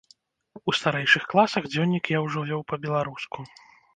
У старэйшых класах дзённік я ўжо вёў па-беларуску.